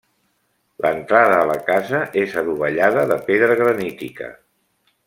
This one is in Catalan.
L'entrada a la casa és adovellada, de pedra granítica.